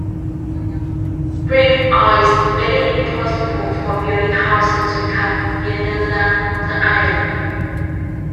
Drift ice made it impossible for Bellinghausen to come nearer than from the island.